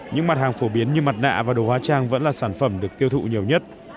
những mặt hàng phổ biến như mặt nạ và đồ hóa trang vẫn là sản phẩm được tiêu thụ nhiều nhất